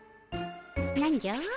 何じゃ？